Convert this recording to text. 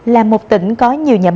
là một tỉnh có nhiều nhà máy